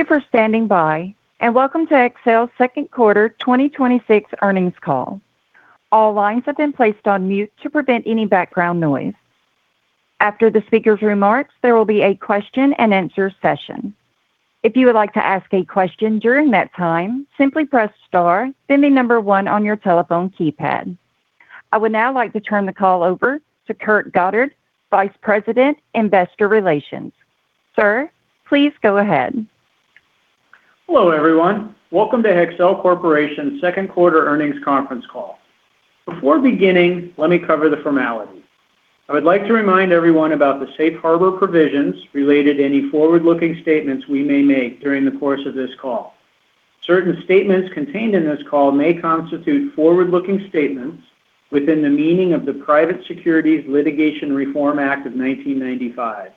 Thank you for standing by, and welcome to Hexcel's second quarter 2026 earnings call. All lines have been placed on mute to prevent any background noise. After the speakers' remarks, there will be a question-and-answer session. If you would like to ask a question during that time, simply press star, then the number one on your telephone keypad. I would now like to turn the call over to Kurt Goddard, Vice President, Investor Relations. Sir, please go ahead. Hello, everyone. Welcome to Hexcel Corporation's second quarter earnings conference call. Before beginning, let me cover the formalities. I would like to remind everyone about the safe harbor provisions related to any forward-looking statements we may make during the course of this call. Certain statements contained in this call may constitute forward-looking statements within the meaning of the Private Securities Litigation Reform Act of 1995.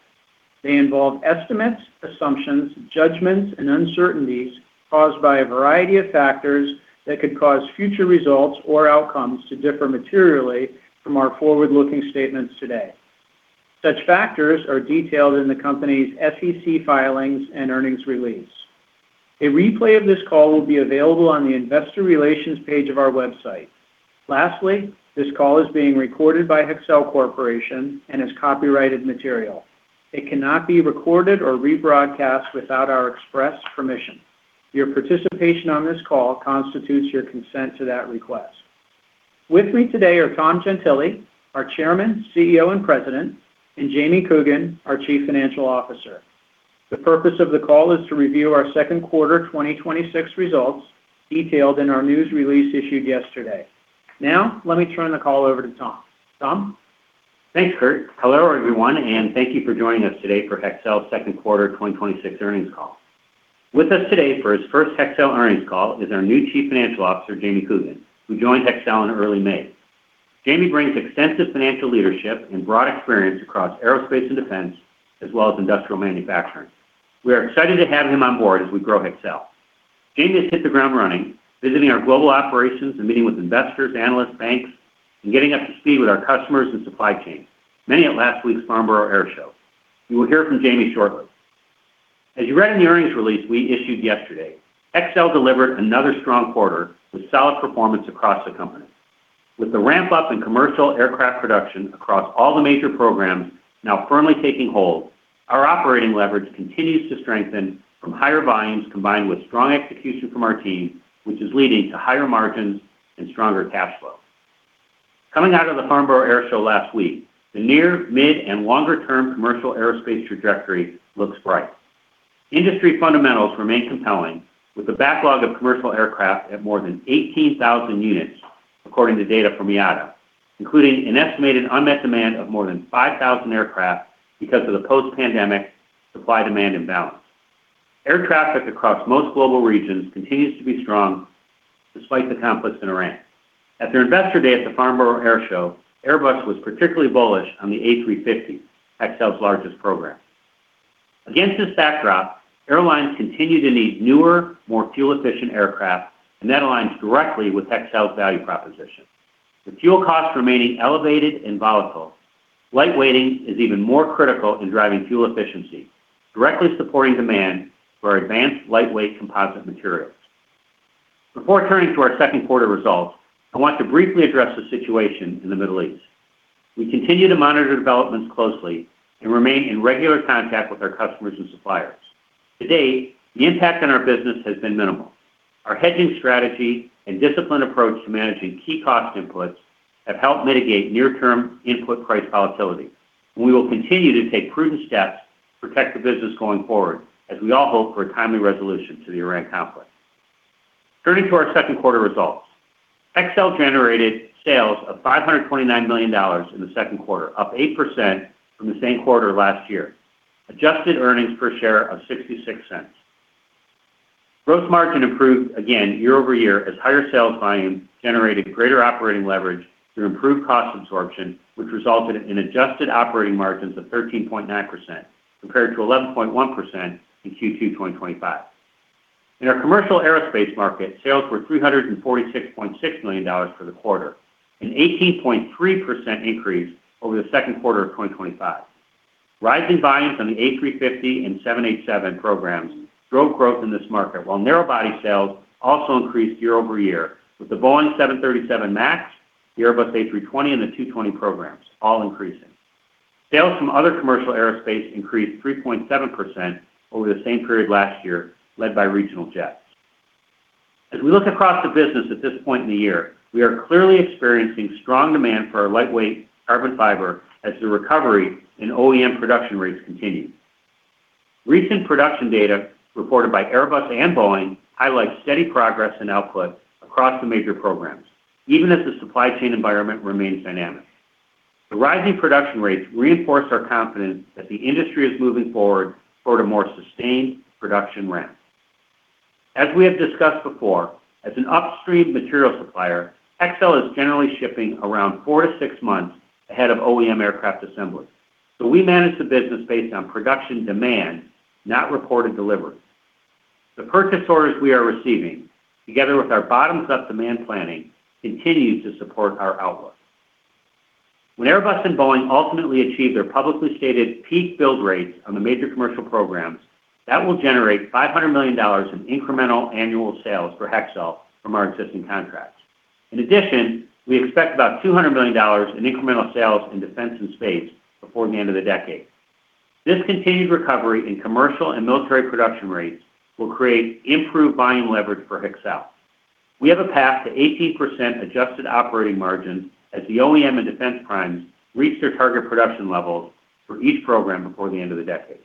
They involve estimates, assumptions, judgments, and uncertainties caused by a variety of factors that could cause future results or outcomes to differ materially from our forward-looking statements today. Such factors are detailed in the company's SEC filings and earnings release. A replay of this call will be available on the investor relations page of our website. Lastly, this call is being recorded by Hexcel Corporation and is copyrighted material. It cannot be recorded or rebroadcast without our express permission. Your participation on this call constitutes your consent to that request. With me today are Tom Gentile, our chairman, CEO, and president, and Jamie Coogan, our Chief Financial Officer. The purpose of the call is to review our second quarter 2026 results, detailed in our news release issued yesterday. Now, let me turn the call over to Tom. Tom? Thanks, Kurt. Hello, everyone, and thank you for joining us today for Hexcel's second quarter 2026 earnings call. With us today for his first Hexcel earnings call is our new Chief Financial Officer, Jamie Coogan, who joined Hexcel in early May. Jamie brings extensive financial leadership and broad experience across aerospace & defense, as well as industrial manufacturing. We are excited to have him on board as we grow Hexcel. Jamie has hit the ground running, visiting our global operations and meeting with investors, analysts, banks, and getting up to speed with our customers and supply chain, many at last week's Farnborough Airshow. You will hear from Jamie shortly. As you read in the earnings release we issued yesterday, Hexcel delivered another strong quarter with solid performance across the company. With the ramp-up in commercial aircraft production across all the major programs now firmly taking hold, our operating leverage continues to strengthen from higher volumes combined with strong execution from our team, which is leading to higher margins and stronger cash flow. Coming out of the Farnborough Airshow last week, the near-, mid-, and longer-term commercial aerospace trajectory looks bright. Industry fundamentals remain compelling with a backlog of commercial aircraft at more than 18,000 units, according to data from IATA, including an estimated unmet demand of more than 5,000 aircraft because of the post-pandemic supply-demand imbalance. Air traffic across most global regions continues to be strong despite the conflicts in Iran. At their Investor Day at the Farnborough Airshow, Airbus was particularly bullish on the A350, Hexcel's largest program. Against this backdrop, airlines continue to need newer, more fuel-efficient aircraft, and that aligns directly with Hexcel's value proposition. With fuel costs remaining elevated and volatile, lightweighting is even more critical in driving fuel efficiency, directly supporting demand for advanced lightweight composite materials. Before turning to our second quarter results, I want to briefly address the situation in the Middle East. We continue to monitor developments closely and remain in regular contact with our customers and suppliers. To date, the impact on our business has been minimal. Our hedging strategy and disciplined approach to managing key cost inputs have helped mitigate near-term input price volatility, and we will continue to take prudent steps to protect the business going forward as we all hope for a timely resolution to the Iran conflict. Turning to our second quarter results. Hexcel generated sales of $529 million in the second quarter, up 8% from the same quarter last year. Adjusted earnings per share of $0.66. Gross margin improved again year-over-year as higher sales volume generated greater operating leverage through improved cost absorption, which resulted in adjusted operating margins of 13.9% compared to 11.1% in Q2 2025. In our commercial aerospace market, sales were $346.6 million for the quarter, an 18.3% increase over the second quarter of 2025. Rising volumes on the A350 and 787 programs drove growth in this market, while narrowbody sales also increased year-over-year with the Boeing 737 MAX, the Airbus A320, and the A220 programs all increasing. Sales from other commercial aerospace increased 3.7% over the same period last year, led by regional jets. As we look across the business at this point in the year, we are clearly experiencing strong demand for our lightweight carbon fiber as the recovery in OEM production rates continue. Recent production data reported by Airbus and Boeing highlights steady progress in output across the major programs, even as the supply chain environment remains dynamic. The rising production rates reinforce our confidence that the industry is moving forward toward a more sustained production ramp. As we have discussed before, as an upstream material supplier, Hexcel is generally shipping around four to six months ahead of OEM aircraft assemblers. So we manage the business based on production demand, not reported deliveries. The purchase orders we are receiving, together with our bottoms-up demand planning, continue to support our outlook. When Airbus and Boeing ultimately achieve their publicly stated peak build rates on the major commercial programs, that will generate $500 million in incremental annual sales for Hexcel from our existing contracts. In addition, we expect about $200 million in incremental sales in defense and space before the end of the decade. This continued recovery in commercial and military production rates will create improved buying leverage for Hexcel. We have a path to 18% adjusted operating margin as the OEM and defense primes reach their target production levels for each program before the end of the decade.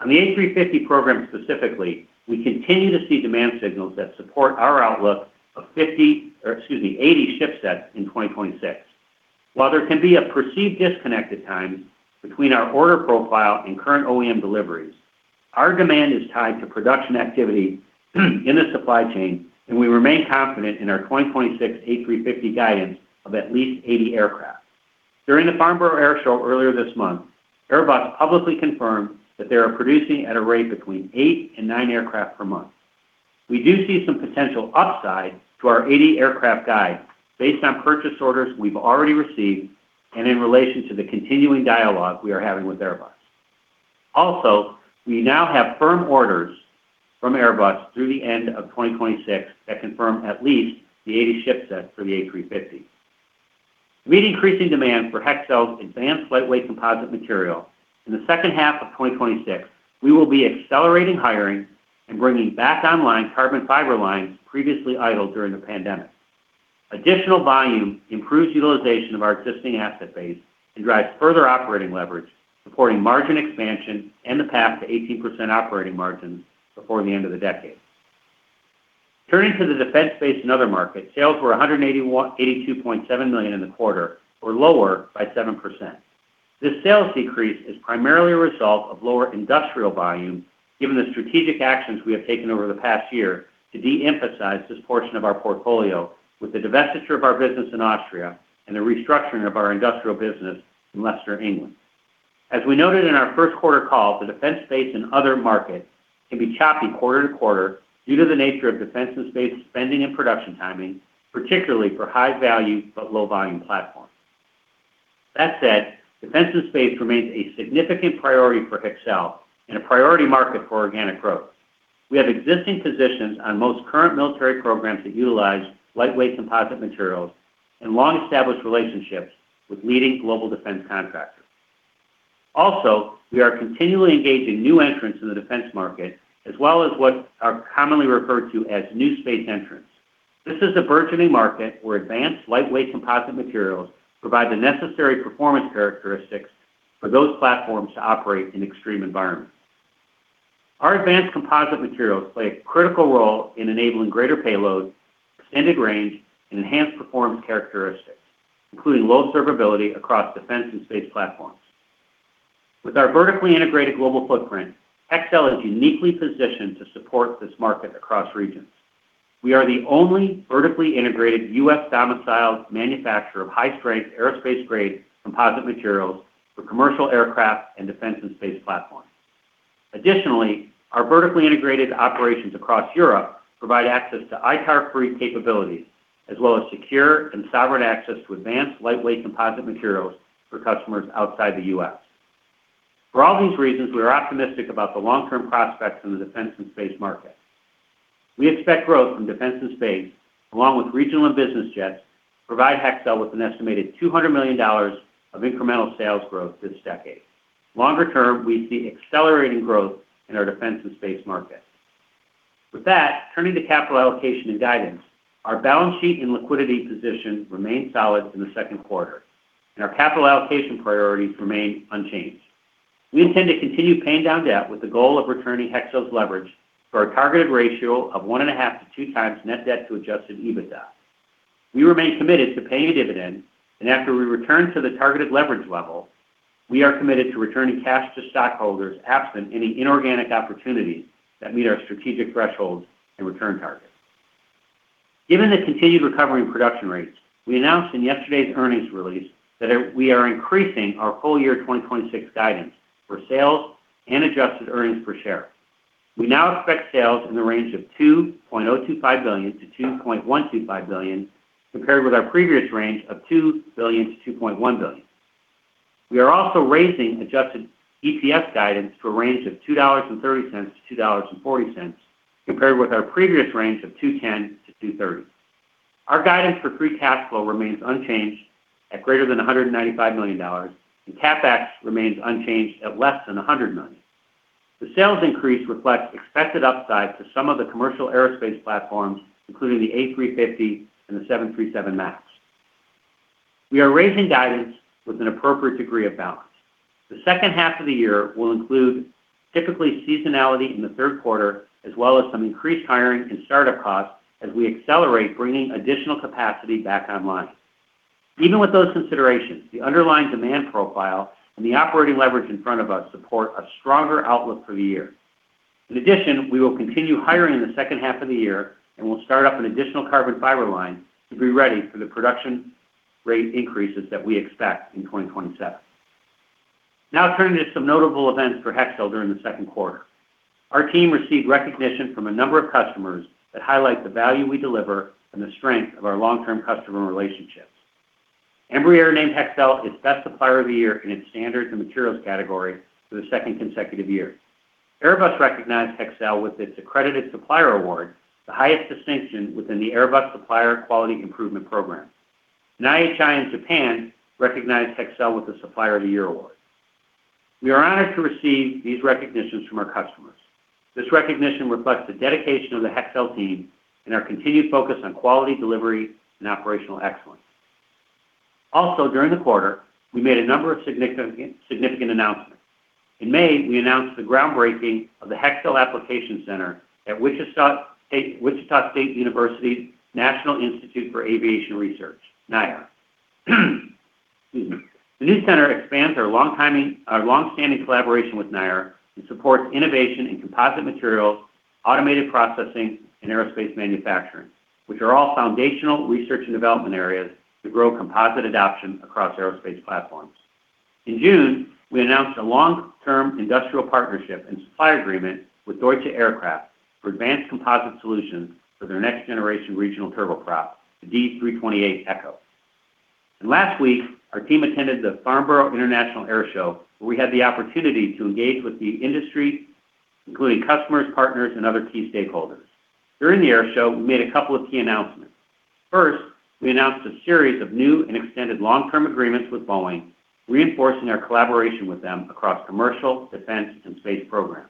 On the A350 program specifically, we continue to see demand signals that support our outlook of 50, or excuse me, 80 ship sets in 2026. While there can be a perceived disconnect at times between our order profile and current OEM deliveries, our demand is tied to production activity in the supply chain, and we remain confident in our 2026 A350 guidance of at least 80 aircraft. During the Farnborough Airshow earlier this month, Airbus publicly confirmed that they are producing at a rate between eight and nine aircraft per month. We do see some potential upside to our 80 aircraft guide based on purchase orders we've already received and in relation to the continuing dialogue we are having with Airbus. We now have firm orders from Airbus through the end of 2026 that confirm at least the 80 ship sets for the A350. To meet increasing demand for Hexcel's advanced lightweight composite material in the second half of 2026, we will be accelerating hiring and bringing back online carbon fiber lines previously idle during the pandemic. Additional volume improves utilization of our existing asset base and drives further operating leverage, supporting margin expansion and the path to 18% operating margin before the end of the decade. Turning to the defense space and other markets, sales were $182.7 million in the quarter, or lower by 7%. This sales decrease is primarily a result of lower industrial volume given the strategic actions we have taken over the past year to de-emphasize this portion of our portfolio with the divestiture of our business in Austria and the restructuring of our industrial business in Leicester, England. As we noted in our first quarter call, the defense space and other markets can be choppy quarter-to-quarter due to the nature of defense and space spending and production timing, particularly for high-value but low-volume platforms. That said, defense and space remains a significant priority for Hexcel and a priority market for organic growth. We have existing positions on most current military programs that utilize lightweight composite materials and long-established relationships with leading global defense contractors. We are continually engaging new entrants in the defense market as well as what are commonly referred to as new space entrants. This is a burgeoning market where advanced lightweight composite materials provide the necessary performance characteristics for those platforms to operate in extreme environments. Our advanced composite materials play a critical role in enabling greater payload, extended range, and enhanced performance characteristics, including low observability across defense and space platforms. With our vertically integrated global footprint, Hexcel is uniquely positioned to support this market across regions. We are the only vertically integrated U.S.-domiciled manufacturer of high-strength aerospace-grade composite materials for commercial aircraft and defense and space platforms. Our vertically integrated operations across Europe provide access to ITAR-free capabilities as well as secure and sovereign access to advanced lightweight composite materials for customers outside the U.S.. For all these reasons, we are optimistic about the long-term prospects in the defense and space market. We expect growth from Defense and Space along with regional and business jets provide Hexcel with an estimated $200 million of incremental sales growth this decade. Longer term, we see accelerating growth in our Defense and Space market. With that, turning to capital allocation and guidance, our balance sheet and liquidity position remained solid in the second quarter and our capital allocation priorities remain unchanged. We intend to continue paying down debt with the goal of returning Hexcel's leverage to our targeted ratio of 1.5x-2x net debt -to-adjusted EBITDA. We remain committed to paying a dividend and after we return to the targeted leverage level, we are committed to returning cash to stockholders absent any inorganic opportunities that meet our strategic thresholds and return targets. Given the continued recovery in production rates, we announced in yesterday's earnings release that we are increasing our full-year 2026 guidance for sales and adjusted earnings per share. We now expect sales in the range of $2.025 billion-$2.125 billion compared with our previous range of $2 billion-$2.1 billion. We are also raising adjusted EPS guidance to a range of $2.30-$2.40 compared with our previous range of $2.10-$2.30. Our guidance for free cash flow remains unchanged at greater than $195 million and CapEx remains unchanged at less than $100 million. The sales increase reflects expected upside to some of the commercial aerospace platforms, including the A350 and the 737 MAX. We are raising guidance with an appropriate degree of balance. The second half of the year will include typically seasonality in the third quarter as well as some increased hiring and startup costs as we accelerate bringing additional capacity back online. Even with those considerations, the underlying demand profile and the operating leverage in front of us support a stronger outlook for the year. We will continue hiring in the second half of the year and will start up an additional carbon fiber line to be ready for the production rate increases that we expect in 2027. Turning to some notable events for Hexcel during the second quarter. Our team received recognition from a number of customers that highlight the value we deliver and the strength of our long-term customer relationships. Embraer named Hexcel its Best Supplier of the Year in its Standards and Materials category for the second consecutive year. Airbus recognized Hexcel with its Accredited Supplier Award, the highest distinction within the Airbus Supply Chain & Quality Improvement Program. [inaudible] recognized Hexcel with the Supplier of the Year award. We are honored to receive these recognitions from our customers. This recognition reflects the dedication of the Hexcel team and our continued focus on quality delivery and operational excellence. During the quarter, we made a number of significant announcements. In May, we announced the groundbreaking of the Hexcel Application Center at Wichita State University's National Institute for Aviation Research, NIAR. Excuse me. The new center expands our longstanding collaboration with NIAR and supports innovation in composite materials, automated processing, and aerospace manufacturing, which are all foundational research and development areas to grow composite adoption across aerospace platforms. In June, we announced a long-term industrial partnership and supply agreement with Deutsche Aircraft for advanced composite solutions for their next-generation regional turboprop, the D328eco. Last week, our team attended the Farnborough International Airshow, where we had the opportunity to engage with the industry, including customers, partners, and other key stakeholders. During the air show, we made a couple of key announcements. First, we announced a series of new and extended Long-Term Agreements with Boeing, reinforcing our collaboration with them across commercial, defense, and space programs.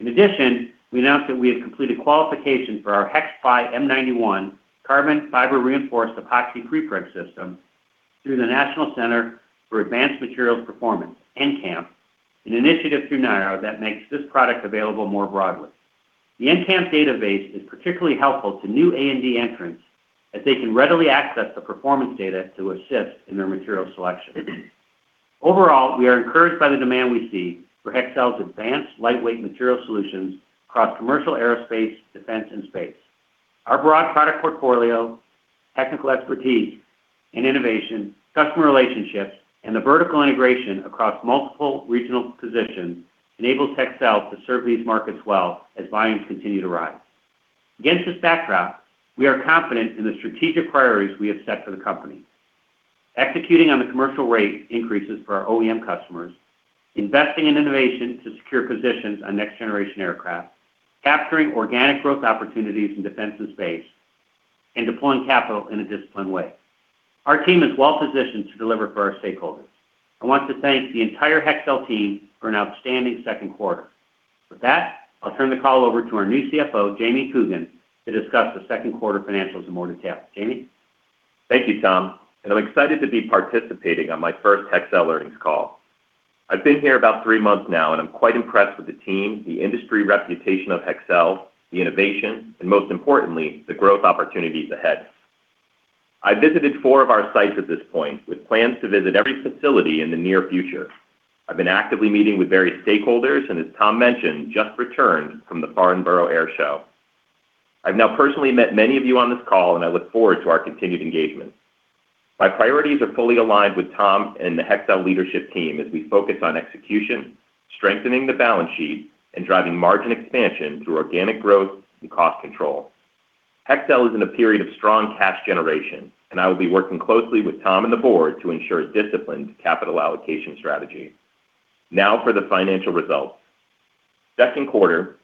In addition, we announced that we have completed qualification for our HexPly M91 carbon fiber-reinforced epoxy prepreg system through the National Center for Advanced Materials Performance, NCAMP, an initiative through NIAR that makes this product available more broadly. The NCAMP database is particularly helpful to new A&D entrants, as they can readily access the performance data to assist in their material selection. Overall, we are encouraged by the demand we see for Hexcel's advanced lightweight material solutions across commercial aerospace, defense, and space. Our broad product portfolio, technical expertise in innovation, customer relationships, and the vertical integration across multiple regional positions enables Hexcel to serve these markets well as volumes continue to rise. Against this backdrop, we are confident in the strategic priorities we have set for the company: executing on the commercial rate increases for our OEM customers, investing in innovation to secure positions on next-generation aircraft, capturing organic growth opportunities in defense and space, and deploying capital in a disciplined way. Our team is well-positioned to deliver for our stakeholders. I want to thank the entire Hexcel team for an outstanding second quarter. With that, I'll turn the call over to our new CFO, Jamie Coogan, to discuss the second quarter financials in more detail. Jamie? Thank you, Tom. I'm excited to be participating on my first Hexcel earnings call. I've been here about three months now. I'm quite impressed with the team, the industry reputation of Hexcel, the innovation, and most importantly, the growth opportunities ahead. I visited four of our sites at this point, with plans to visit every facility in the near future. I've been actively meeting with various stakeholders, and as Tom mentioned, just returned from the Farnborough Airshow. I've now personally met many of you on this call. I look forward to our continued engagement. My priorities are fully aligned with Tom and the Hexcel leadership team as we focus on execution, strengthening the balance sheet, and driving margin expansion through organic growth and cost control. Hexcel is in a period of strong cash generation. I will be working closely with Tom and the board to ensure a disciplined capital allocation strategy. Now for the financial results. Second quarter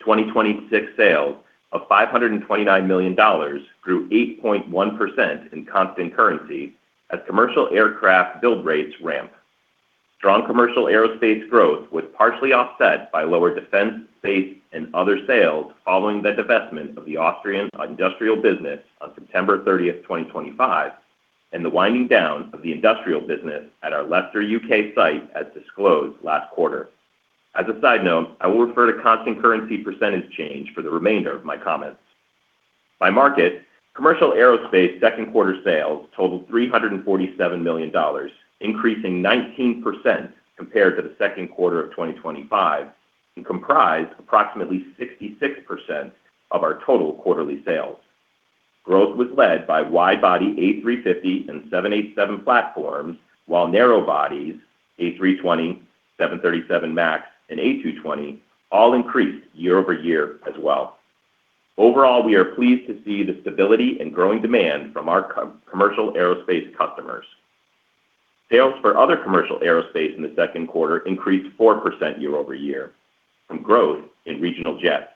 2026 sales of $529 million grew 8.1% in constant currency as commercial aircraft build rates ramp. Strong commercial aerospace growth was partially offset by lower defense, space, and other sales following the divestment of the Austrian industrial business on September 30, 2025 and the winding down of the industrial business at our Leicester, U.K., site as disclosed last quarter. As a side note, I will refer to constant currency percentage change for the remainder of my comments. By market, commercial aerospace second quarter sales totaled $347 million, increasing 19% compared to the second quarter of 2025 and comprised approximately 66% of our total quarterly sales. Growth was led by wide-body A350 and 787 platforms, while narrow bodies, A320, 737 MAX, and A220 all increased year-over-year as well. Overall, we are pleased to see the stability and growing demand from our commercial aerospace customers. Sales for other commercial aerospace in the second quarter increased 4% year-over-year from growth in regional jets.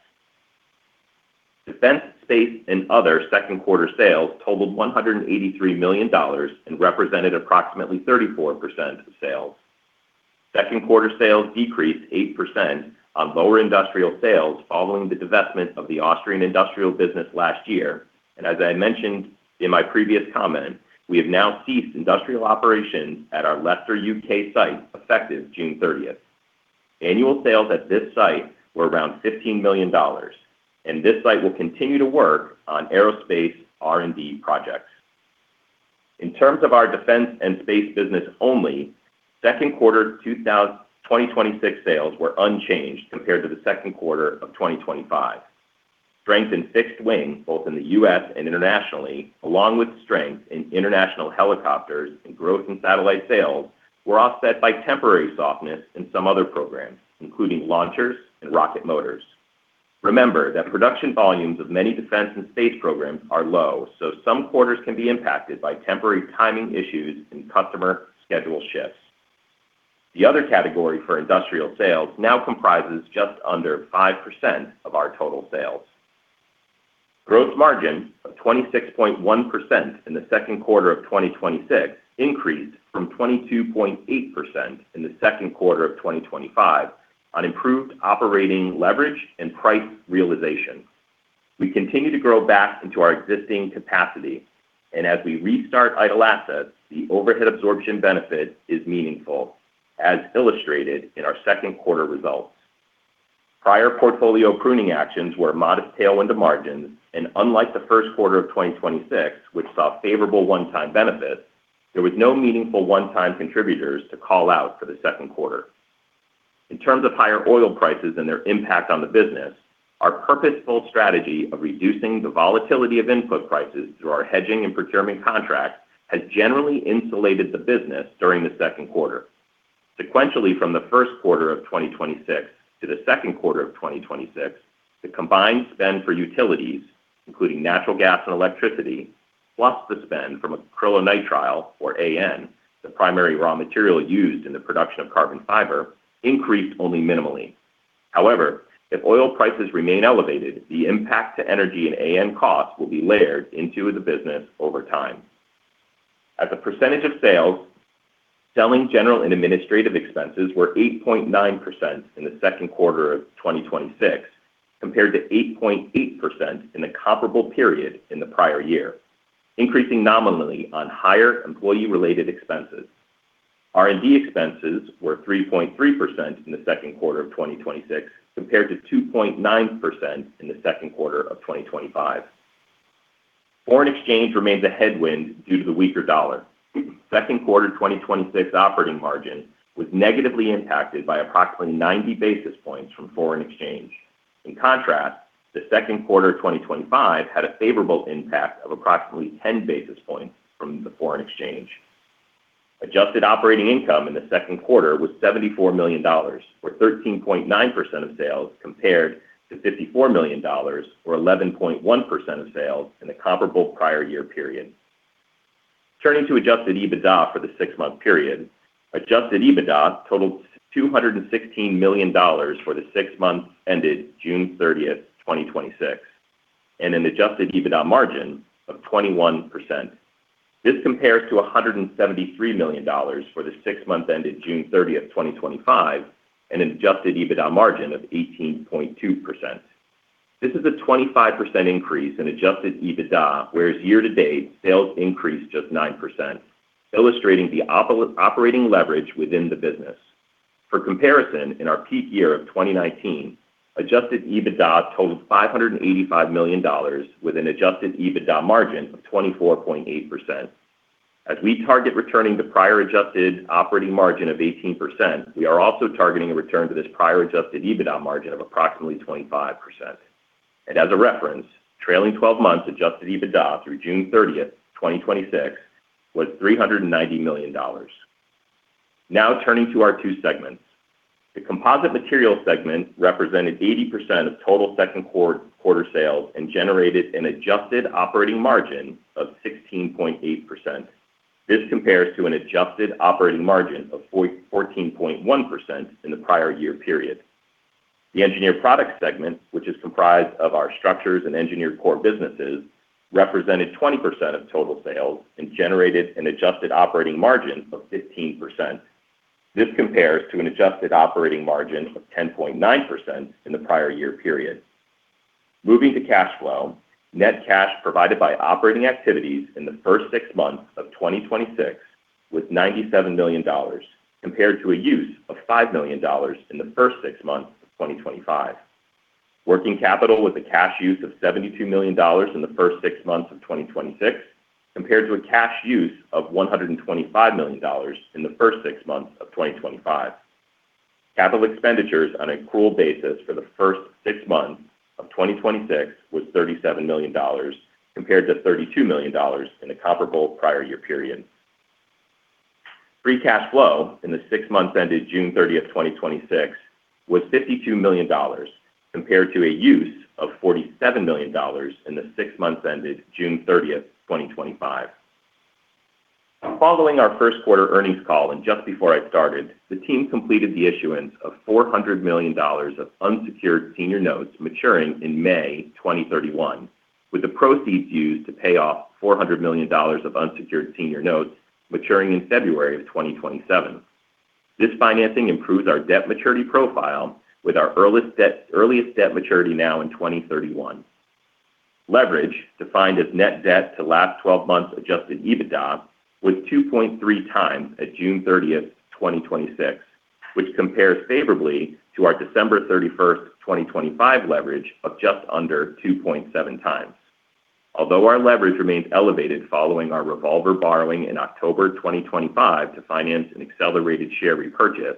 Defense, space, and other second quarter sales totaled $183 million and represented approximately 34% of sales. Second quarter sales decreased 8% on lower industrial sales following the divestment of the Austrian industrial business last year. As I mentioned in my previous comment, we have now ceased industrial operations at our Leicester, U.K., site, effective June 30th. Annual sales at this site were around $15 million, and this site will continue to work on aerospace R&D projects. In terms of our defense and space business only, second quarter 2026 sales were unchanged compared to the second quarter of 2025. Strength in fixed wing, both in the U.S. and internationally, along with strength in international helicopters and growth in satellite sales, were offset by temporary softness in some other programs, including launchers and rocket motors. Remember that production volumes of many defense and space programs are low, so some quarters can be impacted by temporary timing issues and customer schedule shifts. The other category for industrial sales now comprises just under 5% of our total sales. Gross margin of 26.1% in the second quarter of 2026 increased from 22.8% in the second quarter of 2025 on improved operating leverage and price realization. We continue to grow back into our existing capacity, and as we restart idle assets, the overhead absorption benefit is meaningful, as illustrated in our second quarter results. Prior portfolio pruning actions were a modest tailwind to margins. Unlike the first quarter of 2026, which saw favorable one-time benefits, there was no meaningful one-time contributors to call out for the second quarter. In terms of higher oil prices and their impact on the business, our purposeful strategy of reducing the volatility of input prices through our hedging and procurement contracts has generally insulated the business during the second quarter. Sequentially from the first quarter of 2026 to the second quarter of 2026, the combined spend for utilities, including natural gas and electricity, plus the spend from acrylonitrile, or AN, the primary raw material used in the production of carbon fiber, increased only minimally. If oil prices remain elevated, the impact to energy and AN costs will be layered into the business over time. As a percentage of sales, selling, general, and administrative expenses were 8.9% in the second quarter of 2026, compared to 8.8% in the comparable period in the prior year, increasing nominally on higher employee-related expenses. R&D expenses were 3.3% in the second quarter of 2026, compared to 2.9% in the second quarter of 2025. Foreign exchange remained a headwind due to the weaker dollar. Second quarter 2026 operating margin was negatively impacted by approximately 90 basis points from foreign exchange. In contrast, the second quarter 2025 had a favorable impact of approximately 10 basis points from the foreign exchange. Adjusted operating income in the second quarter was $74 million, or 13.9% of sales, compared to $54 million, or 11.1% of sales, in the comparable prior year period. Turning to adjusted EBITDA for the six-month period, adjusted EBITDA totaled $216 million for the six months ended June 30th, 2026, and an adjusted EBITDA margin of 21%. This compares to $173 million for the six months ended June 30th, 2025, and an adjusted EBITDA margin of 18.2%. This is a 25% increase in adjusted EBITDA, whereas year-to-date sales increased just 9%, illustrating the operating leverage within the business. For comparison, in our peak year of 2019, adjusted EBITDA totaled $585 million with an adjusted EBITDA margin of 24.8%. As we target returning to prior adjusted operating margin of 18%, we are also targeting a return to this prior adjusted EBITDA margin of approximately 25%. As a reference, trailing 12 months adjusted EBITDA through June 30th, 2026, was $390 million. Turning to our two segments. The Composite Materials segment represented 80% of total second quarter sales and generated an adjusted operating margin of 16.8%. This compares to an adjusted operating margin of 14.1% in the prior year period. The Engineered Products segment, which is comprised of our structures and engineered core businesses, represented 20% of total sales and generated an adjusted operating margin of 15%. This compares to an adjusted operating margin of 10.9% in the prior year period. Moving to cash flow, net cash provided by operating activities in the first six months of 2026 was $97 million, compared to a use of $5 million in the first six months of 2025. Working capital was a cash use of $72 million in the first six months of 2026, compared to a cash use of $125 million in the first six months of 2025. Capital expenditures on an accrual basis for the first six months of 2026 was $37 million, compared to $32 million in the comparable prior year period. Free cash flow in the six months ended June 30th, 2026, was $52 million, compared to a use of $47 million in the six months ended June 30th, 2025. Following our first quarter earnings call, and just before I started, the team completed the issuance of $400 million of unsecured senior notes maturing in May 2031, with the proceeds used to pay off $400 million of unsecured senior notes maturing in February of 2027. This financing improves our debt maturity profile with our earliest debt maturity now in 2031. Leverage, defined as net debt-to-last 12 months adjusted EBITDA, was 2.3x at June 30th, 2026, which compares favorably to our December 31st, 2025 leverage of just under 2.7x. Although our leverage remains elevated following our revolver borrowing in October 2025 to finance an accelerated share repurchase,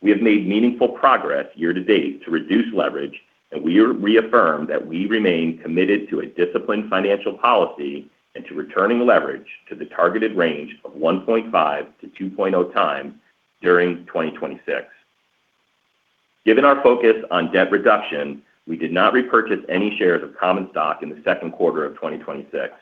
we have made meaningful progress year-to-date to reduce leverage, and we reaffirm that we remain committed to a disciplined financial policy and to returning leverage to the targeted range of 1.5x to 2.0x during 2026. Given our focus on debt reduction, we did not repurchase any shares of common stock in the second quarter of 2026.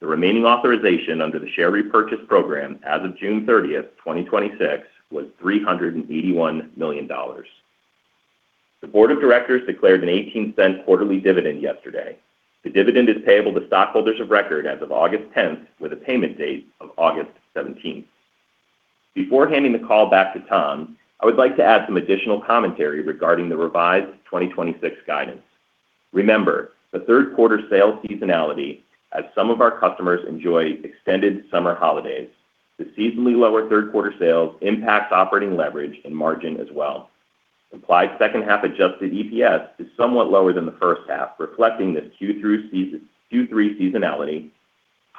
The remaining authorization under the Share Repurchase Program as of June 30th, 2026, was $381 million. The Board of Directors declared an $0.18 quarterly dividend yesterday. The dividend is payable to stockholders of record as of August 10th, with a payment date of August 17th. Before handing the call back to Tom, I would like to add some additional commentary regarding the revised 2026 guidance. Remember, the third quarter sales seasonality as some of our customers enjoy extended summer holidays. The seasonally lower third quarter sales impacts operating leverage and margin as well. Implied second half adjusted EPS is somewhat lower than the first half, reflecting the Q3 seasonality,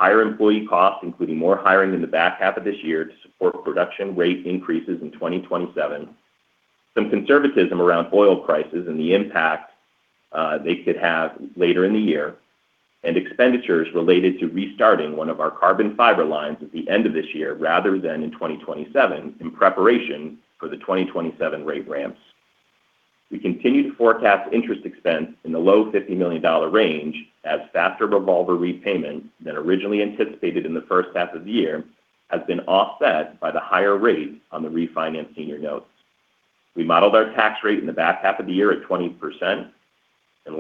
higher employee costs, including more hiring in the back half of this year to support production rate increases in 2027, some conservatism around oil prices and the impact they could have later in the year, and expenditures related to restarting one of our carbon fiber lines at the end of this year rather than in 2027 in preparation for the 2027 rate ramps. We continue to forecast interest expense in the low $50 million range as faster revolver repayment than originally anticipated in the first half of the year has been offset by the higher rates on the refinanced senior notes.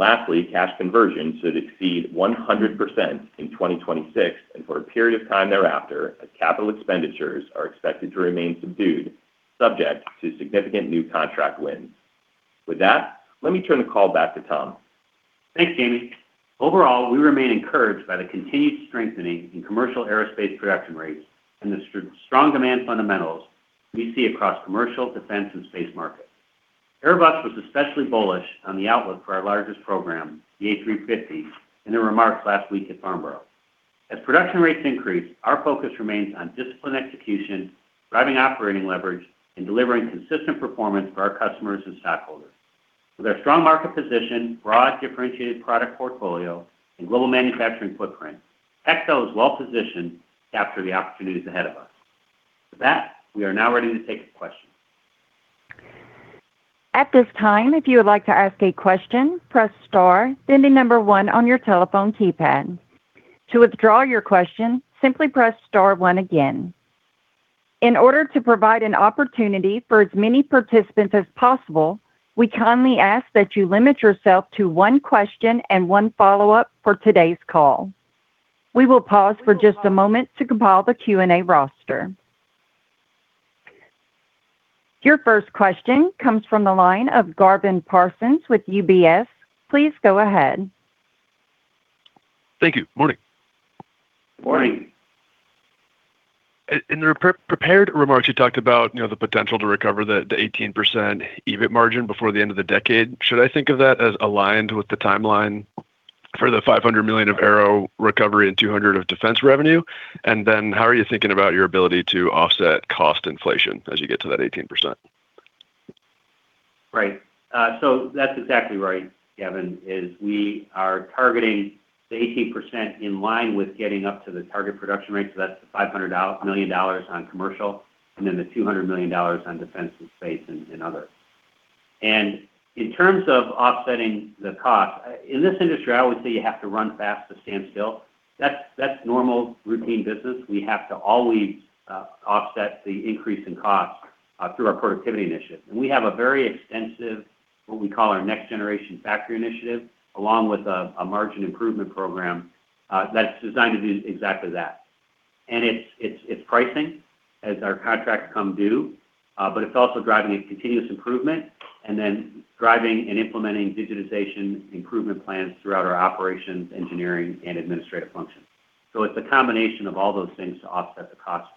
Lastly, cash conversion should exceed 100% in 2026 and for a period of time thereafter, as capital expenditures are expected to remain subdued, subject to significant new contract wins. With that, let me turn the call back to Tom. Thanks, Jamie. Overall, we remain encouraged by the continued strengthening in commercial aerospace production rates and the strong demand fundamentals we see across commercial, defense, and space markets. Airbus was especially bullish on the outlook for our largest program, the A350, in their remarks last week at Farnborough. As production rates increase, our focus remains on disciplined execution, driving operating leverage, and delivering consistent performance for our customers and stockholders. With our strong market position, broad differentiated product portfolio, and global manufacturing footprint, Hexcel is well-positioned to capture the opportunities ahead of us. With that, we are now ready to take the questions. At this time, if you would like to ask a question, press star, then the number one on your telephone keypad. To withdraw your question, simply press star one again. In order to provide an opportunity for as many participants as possible, we kindly ask that you limit yourself to one question and one follow-up for today's call. We will pause for just a moment to compile the Q&A roster. Your first question comes from the line of Gavin Parsons with UBS. Please go ahead. Thank you. Morning. Morning. In the prepared remarks, you talked about the potential to recover the 18% EBIT margin before the end of the decade. Should I think of that as aligned with the timeline for the $500 million of Aero recovery and $200 million of Defense revenue? How are you thinking about your ability to offset cost inflation as you get to that 18%? Right. That's exactly right, Gavin, is we are targeting the 18% in line with getting up to the target production rate. That's the $500 million on commercial and then the $200 million on defense and space and other. In terms of offsetting the cost, in this industry, I always say you have to run fast to stand still. That's normal routine business. We have to always offset the increase in cost through our productivity initiative. We have a very extensive, what we call our Next Generation Factory Initiative, along with a margin improvement program that's designed to do exactly that. It's pricing as our contracts come due, but it's also driving a continuous improvement and then driving and implementing digitization improvement plans throughout our operations, engineering, and administrative functions. It's a combination of all those things to offset the cost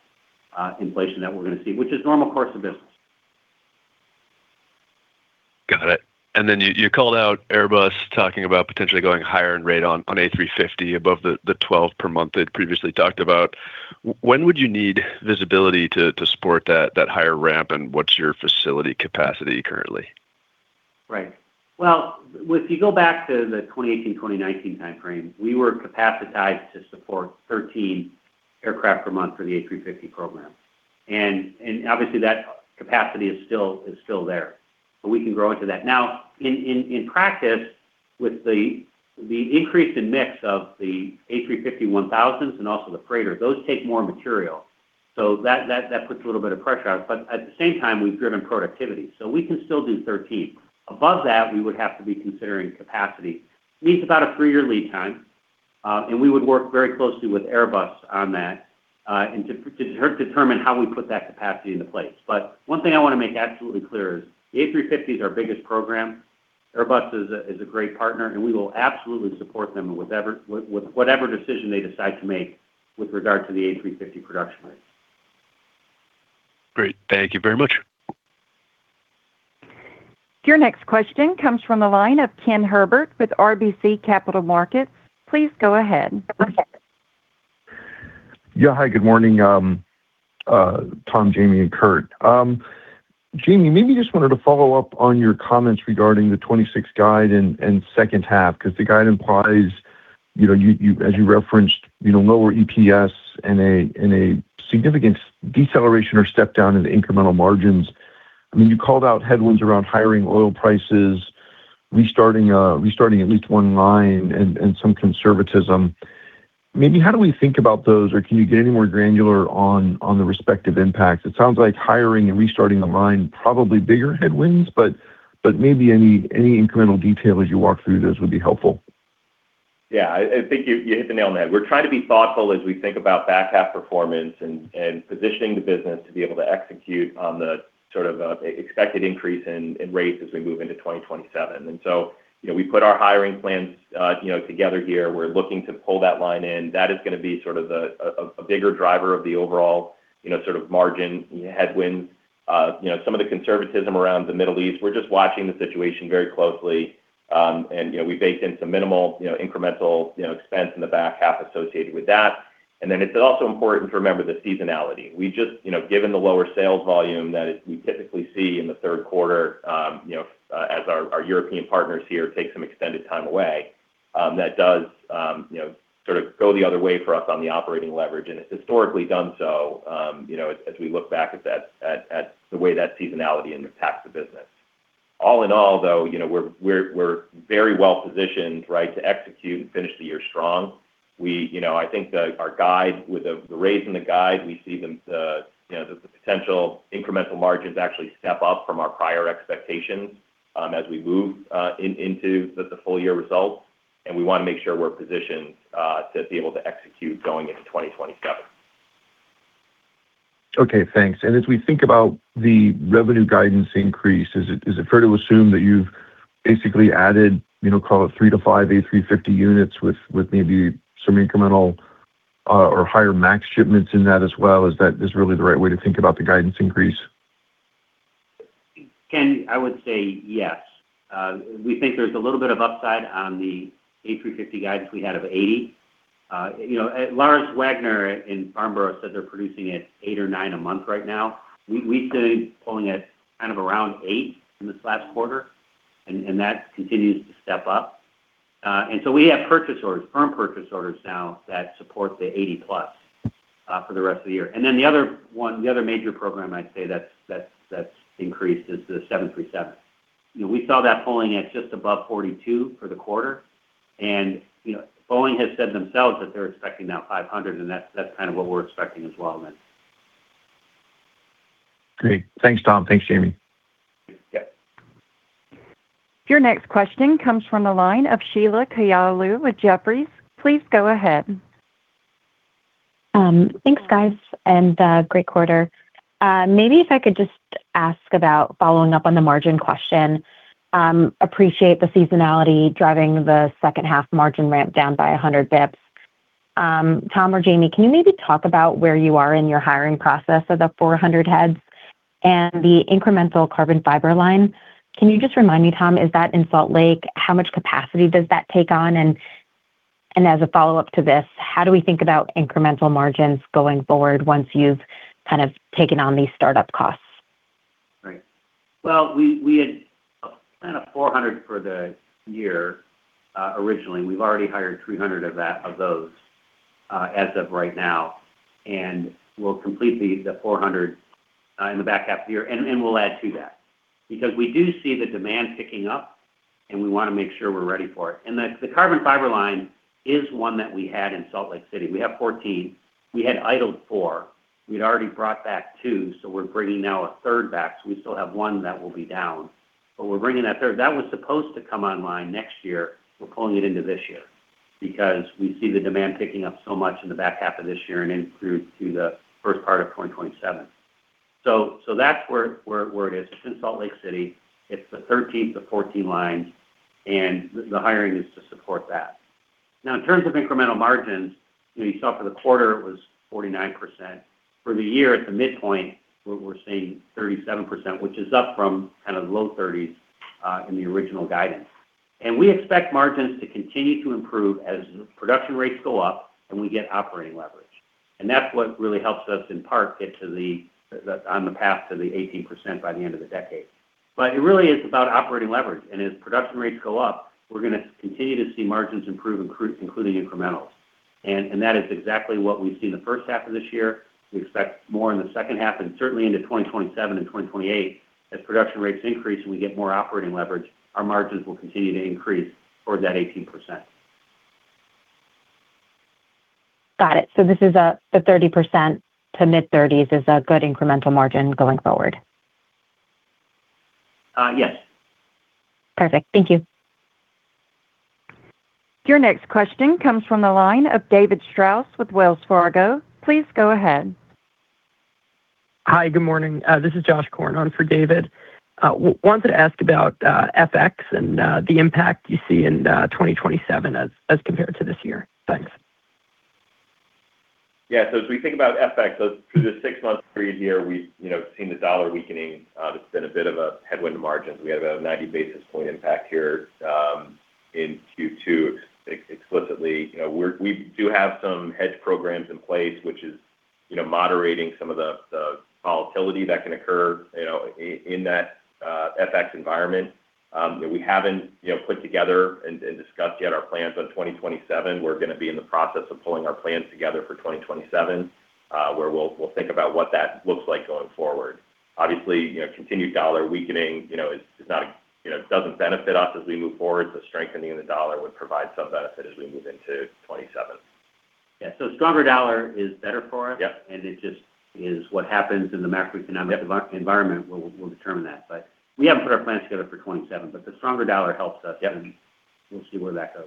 inflation that we're going to see, which is normal course of business. Got it. You called out Airbus talking about potentially going higher in rate on A350 above the 12 per month they'd previously talked about. When would you need visibility to support that higher ramp, and what's your facility capacity currently? Right. Well, if you go back to the 2018-2019 time frame, we were capacitized to support 13 aircraft per month for the A350 program. Obviously, that capacity is still there, but we can grow into that. Now, in practice, with the increase in mix of the A350-1000s and also the freighter, those take more material. That puts a little bit of pressure on it. At the same time, we've driven productivity, so we can still do 13. Above that, we would have to be considering capacity. It needs about a three-year lead time, and we would work very closely with Airbus on that to determine how we put that capacity into place. One thing I want to make absolutely clear is the A350 is our biggest program. Airbus is a great partner. We will absolutely support them with whatever decision they decide to make with regard to the A350 production rate. Great. Thank you very much. Your next question comes from the line of Ken Herbert with RBC Capital Markets. Please go ahead. Yeah. Hi, good morning, Tom, Jamie and Kurt. Jamie, maybe just wanted to follow up on your comments regarding the 2026 guide and second half, because the guide implies, as you referenced lower EPS and a significant deceleration or step down in the incremental margins. You called out headwinds around hiring oil prices, restarting at least one line, and some conservatism. Maybe how do we think about those, or can you get any more granular on the respective impacts? It sounds like hiring and restarting the line, probably bigger headwinds, maybe any incremental detail as you walk through those would be helpful. Yeah. I think you hit the nail on the head. We're trying to be thoughtful as we think about back half performance and positioning the business to be able to execute on the expected increase in rates as we move into 2027. We put our hiring plans together here. We're looking to pull that line in. That is going to be a bigger driver of the overall margin headwinds. Some of the conservatism around the Middle East, we're just watching the situation very closely. We baked in some minimal, incremental expense in the back half associated with that. It's also important to remember the seasonality. Given the lower sales volume that we typically see in the third quarter, as our European partners here take some extended time away, that does sort of go the other way for us on the operating leverage. It's historically done so, as we look back at the way that seasonality impacts the business. All in all, though, we're very well positioned to execute and finish the year strong. I think with the raise in the guide, we see the potential incremental margins actually step up from our prior expectations as we move into the full-year results, we want to make sure we're positioned to be able to execute going into 2027. Okay, thanks. As we think about the revenue guidance increase, is it fair to assume that you've basically added, call it three to five A350 units with maybe some incremental or higher max shipments in that as well? Is that really the right way to think about the guidance increase? Ken, I would say yes. We think there's a little bit of upside on the A350 guidance we had of 80. Lars Wagner in Farnborough said they're producing at eight or nine a month right now. We've been pulling at kind of around eight in this last quarter, that continues to step up. We have firm purchase orders now that support the 80+ for the rest of the year. The other major program I'd say that's increased is the 737. We saw that pulling at just above 42 for the quarter, Boeing has said themselves that they're expecting that 500, that's kind of what we're expecting as well then. Great. Thanks, Tom. Thanks, Jamie. Yep. Your next question comes from the line of Sheila Kahyaoglu with Jefferies. Please go ahead. Thanks, guys, and great quarter. Maybe if I could just ask about following up on the margin question. Appreciate the seasonality driving the second half margin ramp-down by 100 basis points. Tom or Jamie, can you maybe talk about where you are in your hiring process of the 400 heads and the incremental carbon fiber line? Can you just remind me, Tom, is that in Salt Lake? How much capacity does that take on? As a follow-up to this, how do we think about incremental margins going forward once you've kind of taken on these startup costs? Right. Well, we had planned a 400 for the year, originally. We've already hired 300 of those, as of right now, we'll complete the 400 in the back half of the year. We'll add to that, because we do see the demand picking up, and we want to make sure we're ready for it. The carbon fiber line is one that we had in Salt Lake City. We have 14. We had idled four. We'd already brought back two, so we're bringing now a third back. We still have one that will be down, but we're bringing that third. That was supposed to come online next year. We're pulling it into this year because we see the demand picking up so much in the back half of this year and in through to the first part of 2027. That's where it is. It's in Salt Lake City. It's the 13th of 14 lines, the hiring is to support that. Now, in terms of incremental margins, you saw for the quarter it was 49%. For the year, at the midpoint, we're seeing 37%, which is up from kind of the low 30s in the original guidance. We expect margins to continue to improve as production rates go up and we get operating leverage. That's what really helps us in part get on the path to the 18% by the end of the decade. It really is about operating leverage, as production rates go up, we're going to continue to see margins improve, including incrementals. That is exactly what we've seen the first half of this year. We expect more in the second half and certainly into 2027 and 2028. As production rates increase and we get more operating leverage, our margins will continue to increase towards that 18%. This is the 30% to mid-30s is a good incremental margin going forward? Yes. Perfect. Thank you. Your next question comes from the line of David Strauss with Wells Fargo. Please go ahead. Hi. Good morning. This is Josh Korn on for David. Wanted to ask about FX and the impact you see in 2027 as compared to this year. Thanks. As we think about FX, so through the six-month period here, we've seen the dollar weakening. It's been a bit of a headwind to margins. We had about a 90 basis point impact here, in Q2 explicitly. We do have some hedge programs in place, which is moderating some of the volatility that can occur in that FX environment. We haven't put together and discussed yet our plans on 2027. We're going to be in the process of pulling our plans together for 2027, where we'll think about what that looks like going forward. Obviously, continued dollar weakening it doesn't benefit us as we move forward, strengthening the dollar would provide some benefit as we move into 2027. Yeah. A stronger dollar is better for us. Yep. It just is what happens in the macroeconomic environment will determine that. We haven't put our plans together for 2027, but the stronger dollar helps us. Yep. We'll see where that goes.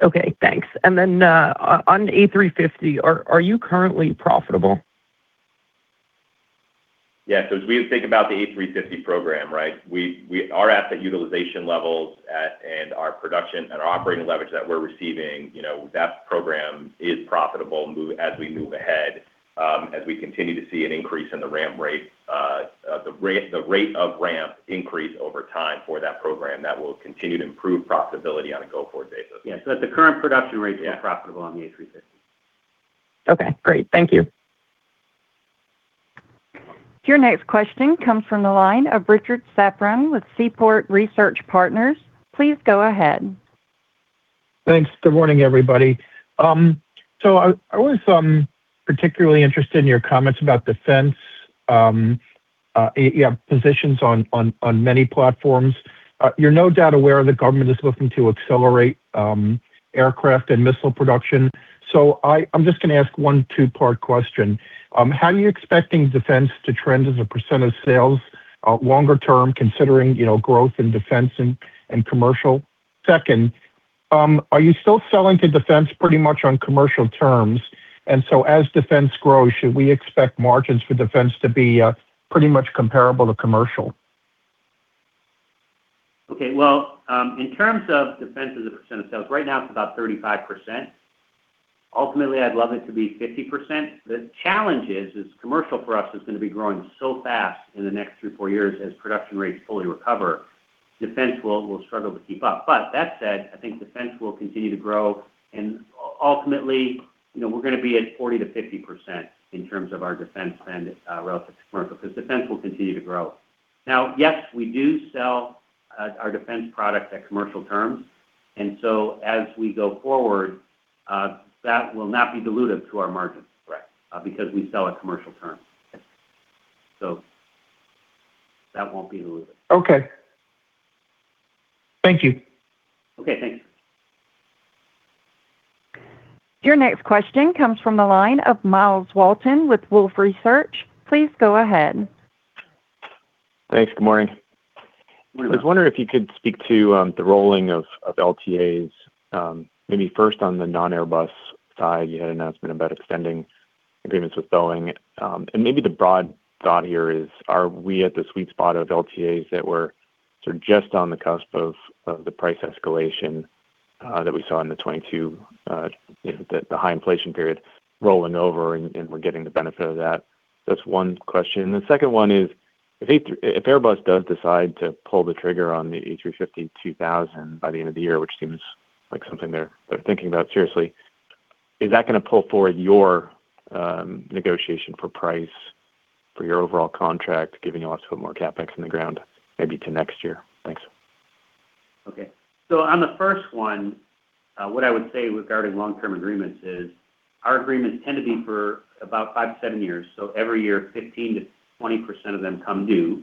Okay, thanks. On A350, are you currently profitable? Yeah. As we think about the A350 program, right, we are at the utilization levels and our production and operating leverage that we're receiving, that program is profitable as we move ahead. As we continue to see an increase in the ramp rate, the rate of ramp increase over time for that program, that will continue to improve profitability on a go-forward basis. Yeah. At the current production rate Yeah It's profitable on the A350. Okay, great. Thank you. Your next question comes from the line of Richard Safran with Seaport Research Partners. Please go ahead. Thanks. Good morning, everybody. I was particularly interested in your comments about defense. You have positions on many platforms. You're no doubt aware the government is looking to accelerate aircraft and missile production. I'm just going to ask one two-part question. How are you expecting defense to trend as a percent of sales longer term, considering growth in defense and commercial? Second, are you still selling to defense pretty much on commercial terms? As defense grows, should we expect margins for defense to be pretty much comparable to commercial? Okay. Well, in terms of defense as a percent of sales, right now it's about 35%. Ultimately, I'd love it to be 50%. The challenge is, commercial for us is going to be growing so fast in the next three to four years as production rates fully recover. Defense will struggle to keep up. That said, I think defense will continue to grow, and ultimately, we're going to be at 40%-50% in terms of our defense spend relative to commercial, because defense will continue to grow. Now, yes, we do sell our defense product at commercial terms. As we go forward, that will not be dilutive to our margins. Correct. Because we sell at commercial terms. Yes. That won't be dilutive. Okay. Thank you. Okay, thanks. Your next question comes from the line of Myles Walton with Wolfe Research. Please go ahead. Thanks. Good morning. Good morning. I was wondering if you could speak to the rolling of LTAs. First on the non-Airbus side, you had an announcement about extending agreements with Boeing. Maybe the broad thought here is, are we at the sweet spot of LTAs that were sort of just on the cusp of the price escalation that we saw in 2022, the high inflation period rolling over, and we're getting the benefit of that? That's one question. The second one is, if Airbus does decide to pull the trigger on the A350-2000 by the end of the year, which seems like something they're thinking about seriously, is that going to pull forward your negotiation for price for your overall contract, giving you an opportunity to put more CapEx in the ground maybe next year? Thanks. Okay. On the first one, what I would say regarding Long-Term Agreements is our agreements tend to be for about five to seven years. Every year, 15%-20% of them come due.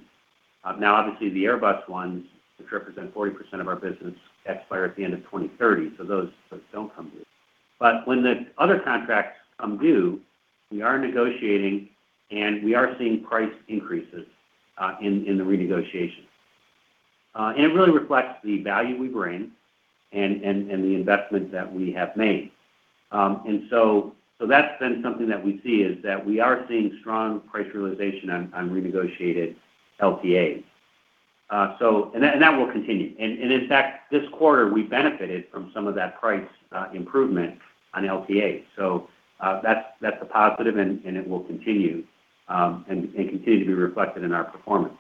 Now, obviously, the Airbus ones, which represent 40% of our business, expire at the end of 2030, so those don't come due. When the other contracts come due, we are negotiating, and we are seeing price increases in the renegotiation. It really reflects the value we bring and the investments that we have made. That's been something that we see, is that we are seeing strong price realization on renegotiated LTAs. That will continue. In fact, this quarter, we benefited from some of that price improvement on LTAs. That's a positive, and it will continue and continue to be reflected in our performance.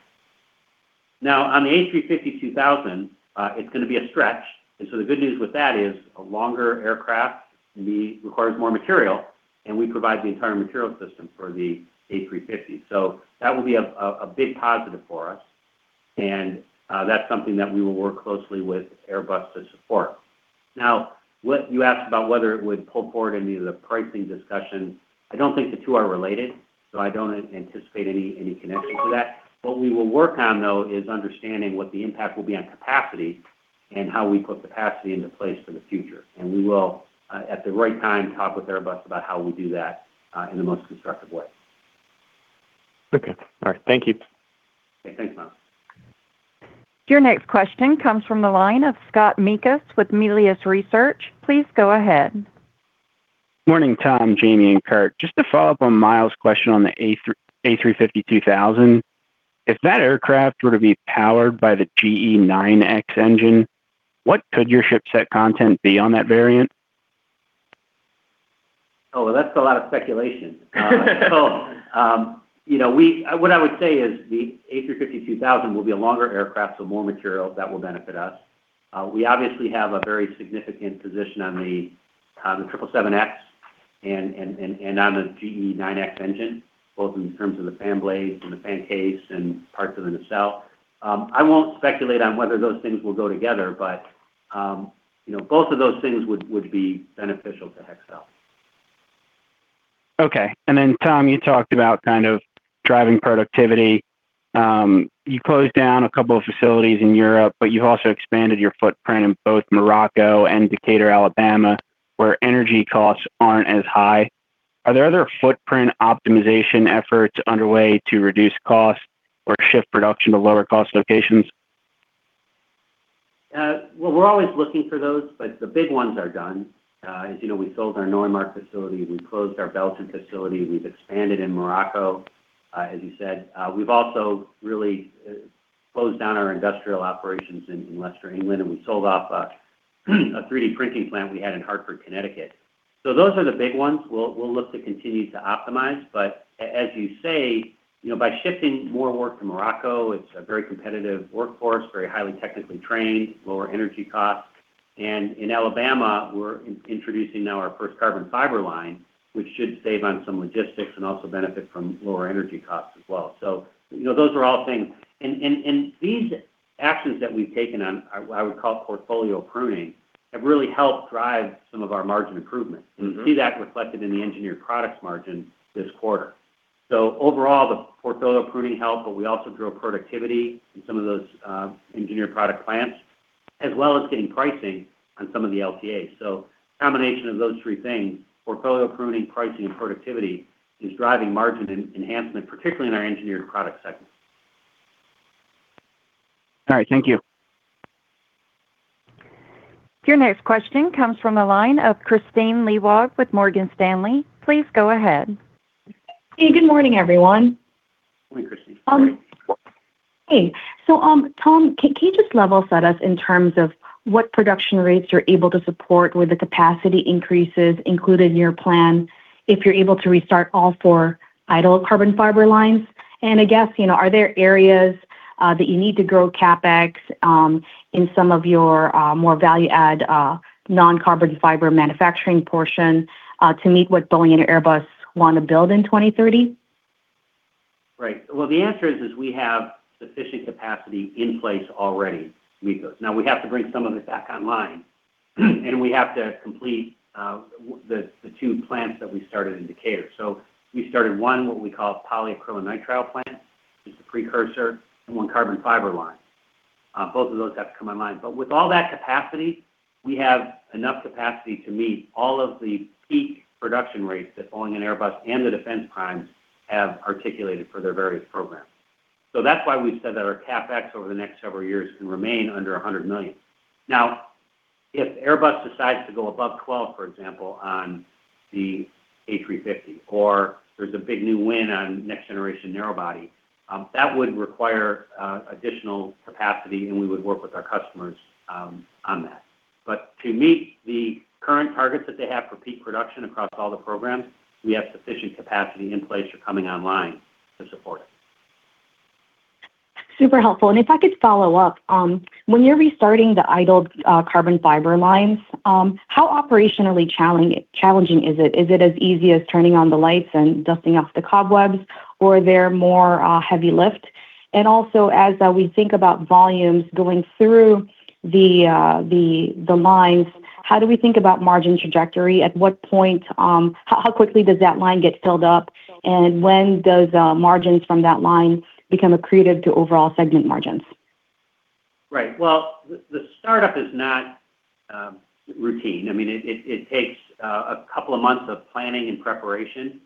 Now, on the A350-2000, it's going to be a stretch. The good news with that is a longer aircraft requires more material, and we provide the entire material system for the A350. That will be a big positive for us, and that's something that we will work closely with Airbus to support. Now, you asked about whether it would pull forward any of the pricing discussion. I don't think the two are related, so I don't anticipate any connection to that. What we will work on, though, is understanding what the impact will be on capacity and how we put capacity into place for the future. We will, at the right time, talk with Airbus about how we do that in the most constructive way. Okay. All right. Thank you. Okay. Thanks, Myles. Your next question comes from the line of Scott Mikus with Melius Research. Please go ahead. Morning, Tom, Jamie, and Kurt. Just to follow up on Myles' question on the A350-2000 If that aircraft were to be powered by the GE9X engine, what could your ship set content be on that variant? Well, that's a lot of speculation. What I would say is the A350-2000 will be a longer aircraft, so more material. That will benefit us. We obviously have a very significant position on the 777X and on the GE9X engine, both in terms of the fan blades and the fan case and parts of the nacelle. I won't speculate on whether those things will go together, but both of those things would be beneficial to Hexcel. Okay. Tom, you talked about driving productivity. You closed down a couple of facilities in Europe, but you've also expanded your footprint in both Morocco and Decatur, Alabama, where energy costs aren't as high. Are there other footprint optimization efforts underway to reduce costs or shift production to lower-cost locations? We're always looking for those, the big ones are done. As you know, we sold our Neumarkt facility. We closed our Belton facility. We've expanded in Morocco, as you said. We've also really closed down our industrial operations in Leicester, England, and we sold off a 3D printing plant we had in Hartford, Connecticut. Those are the big ones. We'll look to continue to optimize, as you say, by shifting more work to Morocco, it's a very competitive workforce, very highly technically trained, lower energy costs. In Alabama, we're introducing now our first carbon fiber line, which should save on some logistics and also benefit from lower energy costs as well. Those are all things. These actions that we've taken on, I would call it portfolio pruning, have really helped drive some of our margin improvements. You see that reflected in the Engineered Products margin this quarter. Overall, the portfolio pruning helped, we also drove productivity in some of those Engineered Products plants, as well as getting pricing on some of the LTAs. Combination of those three things, portfolio pruning, pricing, and productivity, is driving margin enhancement, particularly in our Engineered Products segment. All right. Thank you. Your next question comes from the line of Kristine Liwag with Morgan Stanley. Please go ahead. Hey, good morning, everyone. Morning, Kristine. Hey. Tom, can you just level set us in terms of what production rates you're able to support with the capacity increases included in your plan if you're able to restart all four idle carbon fiber lines? I guess, are there areas that you need to grow CapEx in some of your more value add non-carbon fiber manufacturing portion to meet what Boeing and Airbus want to build in 2030? Right. Well, the answer is we have sufficient capacity in place already. We have to bring some of it back online, and we have to complete the two plants that we started in Decatur. We started one, what we call polyacrylonitrile plant, it's a precursor, and one carbon fiber line. Both of those have to come online. With all that capacity, we have enough capacity to meet all of the peak production rates that Boeing and Airbus and the defense primes have articulated for their various programs. That's why we've said that our CapEx over the next several years can remain under $100 million. If Airbus decides to go above 12, for example, on the A350, or there's a big new win on next-generation narrow body, that would require additional capacity, and we would work with our customers on that. To meet the current targets that they have for peak production across all the programs, we have sufficient capacity in place for coming online to support it. Super helpful. If I could follow up, when you're restarting the idled carbon fiber lines, how operationally challenging is it? Is it as easy as turning on the lights and dusting off the cobwebs, or they're more heavy lift? Also, as we think about volumes going through the lines, how do we think about margin trajectory? How quickly does that line get filled up, and when does margins from that line become accretive to overall segment margins? Right. Well, the startup is not routine. It takes a couple of months of planning and preparation.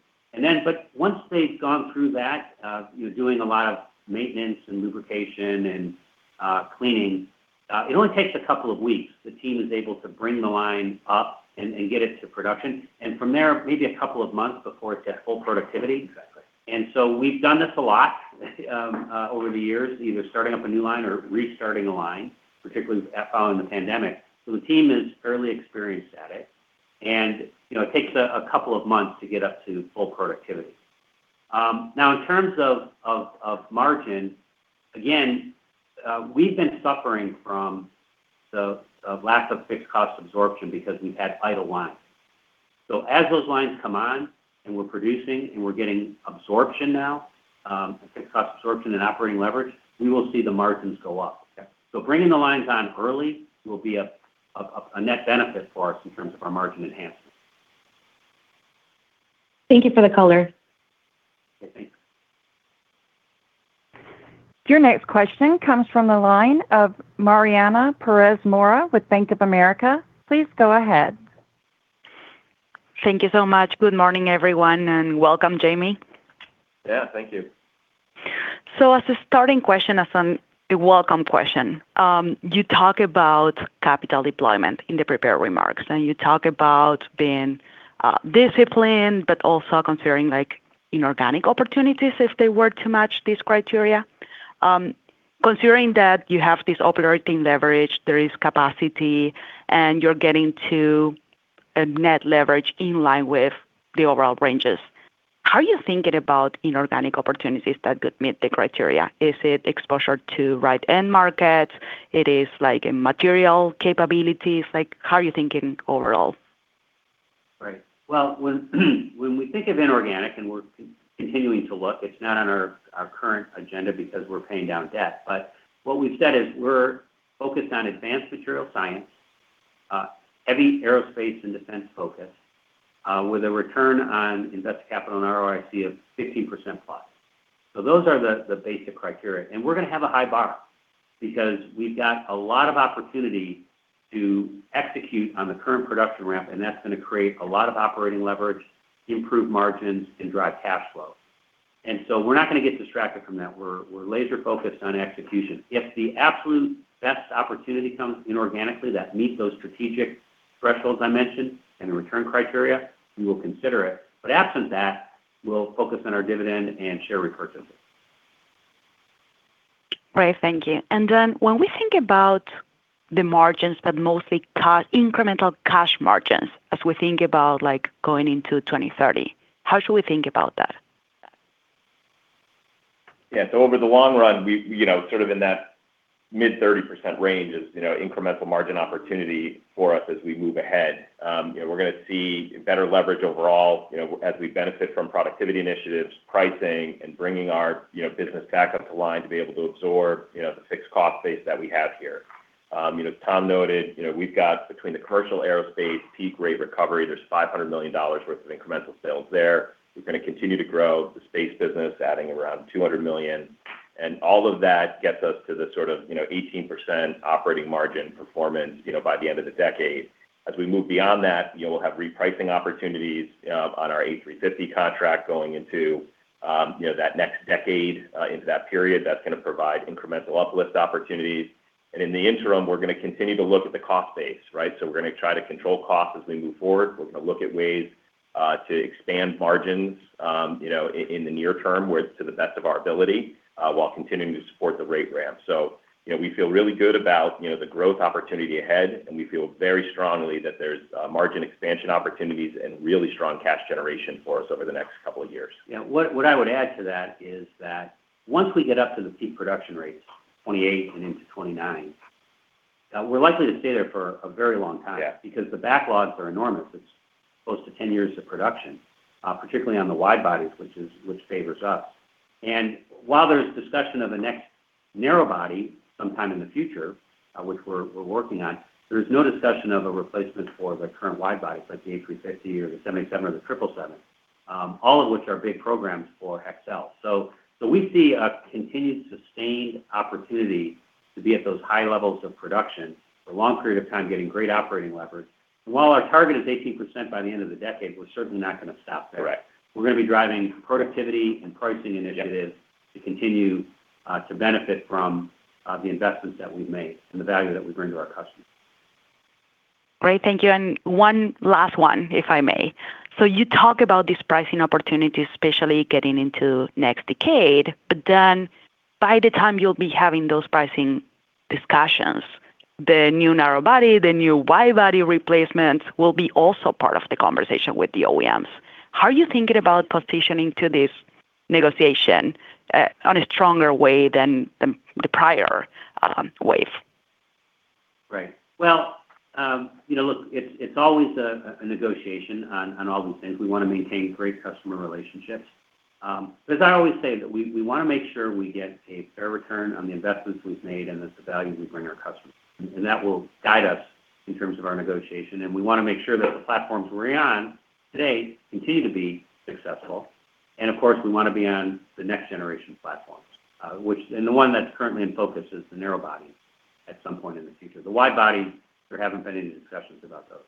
Once they've gone through that, you're doing a lot of maintenance and lubrication and cleaning. It only takes a couple of weeks. The team is able to bring the line up and get it to production. From there, maybe a couple of months before it's at full productivity. We've done this a lot over the years, either starting up a new line or restarting a line, particularly following the pandemic. The team is fairly experienced at it, and it takes a couple of months to get up to full productivity. Now, in terms of margin, again, we've been suffering from the lack of fixed cost absorption because we've had idle lines. As those lines come on and we're producing and we're getting absorption now, fixed cost absorption and operating leverage, we will see the margins go up. Okay. Bringing the lines on early will be a net benefit for us in terms of our margin enhancement. Thank you for the color. Okay, thanks. Your next question comes from the line of Mariana Pérez Mora with Bank of America. Please go ahead. Thank you so much. Good morning, everyone, and welcome, Jamie. Yeah, thank you. As a starting question, as a welcome question. You talk about capital deployment in the prepared remarks, and you talk about being disciplined, but also considering inorganic opportunities if they were to match these criteria. Considering that you have this operating leverage, there is capacity, and you're getting to a net leverage in line with the overall ranges, how are you thinking about inorganic opportunities that could meet the criteria? Is it exposure to right-end markets? It is material capabilities? How are you thinking overall? Well, when we think of inorganic and we're continuing to look, it's not on our current agenda because we're paying down debt. What we've said is we're focused on advanced material science, heavy Aerospace and Defense focus, with a return on invested capital and ROIC of 15%+. Those are the basic criteria. We're going to have a high bar because we've got a lot of opportunity to execute on the current production ramp, and that's going to create a lot of operating leverage, improve margins, and drive cash flow. We're not going to get distracted from that. We're laser-focused on execution. If the absolute best opportunity comes inorganically that meets those strategic thresholds I mentioned and the return criteria, we will consider it. Absent that, we'll focus on our dividend and share repurchase. Right. Thank you. Then when we think about the margins, but mostly incremental cash margins as we think about going into 2030, how should we think about that? Yeah. Over the long-run, sort of in that mid-30% range is incremental margin opportunity for us as we move ahead. We're going to see better leverage overall, as we benefit from productivity initiatives, pricing, and bringing our business back up to line to be able to absorb the fixed cost base that we have here. As Tom noted, we've got between the commercial aerospace peak rate recovery, there's $500 million worth of incremental sales there. We're going to continue to grow the space business, adding around $200 million. All of that gets us to the sort of 18% operating margin performance, by the end of the decade. As we move beyond that, we'll have repricing opportunities on our A350 contract going into that next decade, into that period. That's going to provide incremental uplift opportunities. In the interim, we're going to continue to look at the cost base, right? We're going to try to control costs as we move forward. We're going to look at ways to expand margins, in the near term, where it's to the best of our ability, while continuing to support the rate ramp. We feel really good about the growth opportunity ahead, and we feel very strongly that there's margin expansion opportunities and really strong cash generation for us over the next couple of years. Yeah. What I would add to that is that once we get up to the peak production rates, 2028 and into 2029, we're likely to stay there for a very long time Yeah because the backlogs are enormous. It's close to 10 years of production, particularly on the wide-bodies, which favors us. While there's discussion of a next narrow-body sometime in the future, which we're working on, there's no discussion of a replacement for the current wide-bodies like the A350 or the 787 or the 777, all of which are big programs for Hexcel. We see a continued, sustained opportunity to be at those high levels of production for a long period of time, getting great operating leverage. While our target is 18% by the end of the decade, we're certainly not going to stop there. Correct. We're going to be driving productivity and pricing initiatives Yeah to continue to benefit from the investments that we've made and the value that we bring to our customers. Great. Thank you. One last one, if I may. You talk about these pricing opportunities, especially getting into next decade, but then by the time you'll be having those pricing discussions, the new narrow body, the new wide body replacements will be also part of the conversation with the OEMs. How are you thinking about positioning to this negotiation, on a stronger way than the prior wave? Well, look, it's always a negotiation on all these things. We want to maintain great customer relationships. As I always say, that we want to make sure we get a fair return on the investments we've made and that the value we bring our customers. That will guide us in terms of our negotiation, and we want to make sure that the platforms we're on today continue to be successful. Of course, we want to be on the next-generation platforms. The one that's currently in focus is the narrow body at some point in the future. The wide body, there haven't been any discussions about those.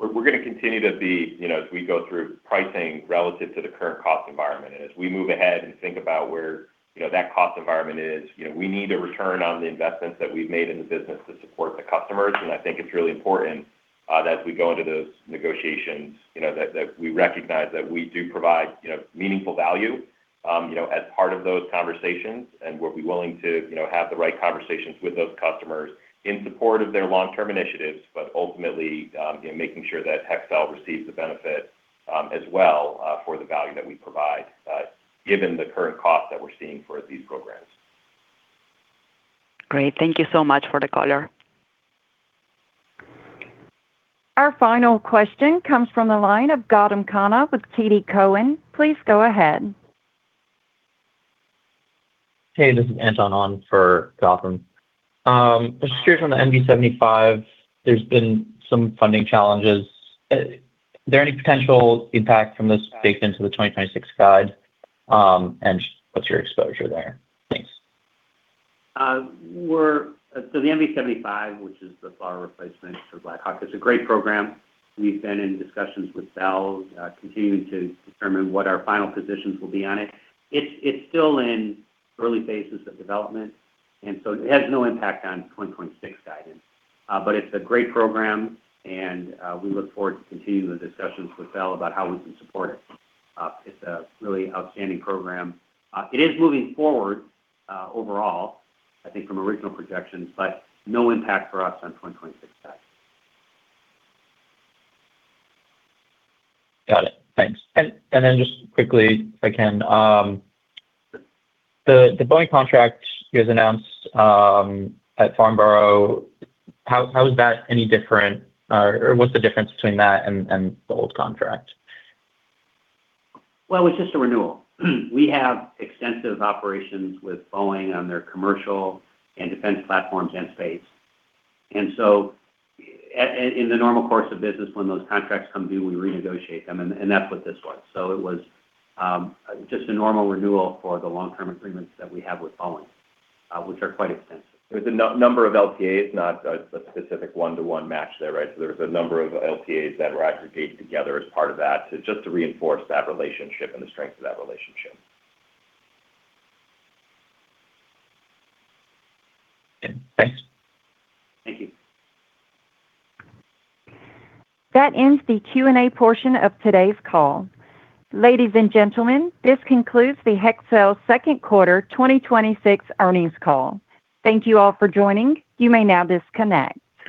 We're going to continue to be, as we go through pricing relative to the current cost environment, and as we move ahead and think about where that cost environment is, we need a return on the investments that we've made in the business to support the customers. I think it's really important that as we go into those negotiations, that we recognize that we do provide meaningful value as part of those conversations. We'll be willing to have the right conversations with those customers in support of their long-term initiatives, but ultimately, making sure that Hexcel receives the benefit as well for the value that we provide, given the current cost that we're seeing for these programs. Great. Thank you so much for the color. Our final question comes from the line of Gautam Khanna with TD Cowen. Please go ahead. Hey, this is Anton on for Gautam. Just curious on the MV-75, there's been some funding challenges. Is there any potential impact from this baked into the 2026 guide? What's your exposure there? Thanks. The MV-75, which is the follow-on replacement for Black Hawk, is a great program. We've been in discussions with Bell, continuing to determine what our final positions will be on it. It's still in early phases of development, it has no impact on 2026 guidance. It's a great program and we look forward to continuing the discussions with Bell about how we can support it. It's a really outstanding program. It is moving forward, overall, I think from original projections, no impact for us on 2026 guidance. Got it. Thanks. Just quickly, if I can, the Boeing contract you guys announced at Farnborough, how is that any different? What's the difference between that and the old contract? It's just a renewal. We have extensive operations with Boeing on their commercial and defense platforms and space. In the normal course of business, when those contracts come due, we renegotiate them, and that's what this was. It was just a normal renewal for the Long-Term Agreements that we have with Boeing, which are quite extensive. There's a number of LTAs, not a specific one-to-one match there, right? There's a number of LTAs that were aggregated together as part of that, just to reinforce that relationship and the strength of that relationship. Thanks. Thank you. That ends the Q&A portion of today's call. Ladies and gentlemen, this concludes the Hexcel second quarter 2026 earnings Call. Thank you all for joining. You may now disconnect.